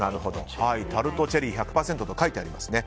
タルトチェリー１００％と書いてありますね。